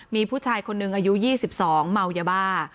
มีผู้ชายคนหนึ่งอายุ๒๒เมายาบ้า